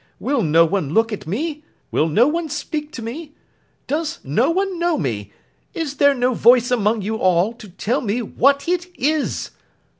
'Will no one look at me? Will no one speak to me? Does no one know me? Is there no voice among you all, to tell me what it is!